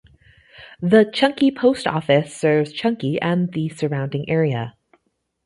The Chunky post office serves Chunky and the surrounding area.